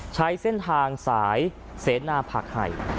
ใช้เส้นทางสายเสนาผักไห่